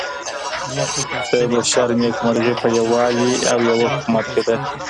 د بشر نیکمرغي په یووالي او یوه حکومت کي ده.